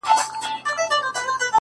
بيا د تورو سترګو و بلا ته مخامخ يمه ـ